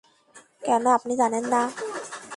কেন, আপনি জানেন না?